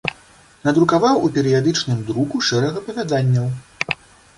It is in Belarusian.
Надрукаваў у перыядычным друку шэраг апавяданняў.